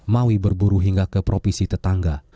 maui berburu hingga ke provinsi tetangga